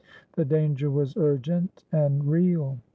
The danger was urgent and real.